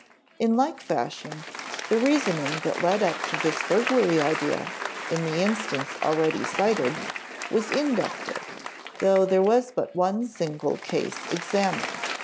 In like fashion, the reasoning that led up to the burglary idea in the instance already cited (p. 83) was inductive, though there was but one single case examined.